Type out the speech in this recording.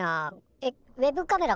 えウェブカメラ